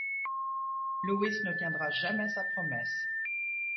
Lewis ne tiendra jamais sa promesse.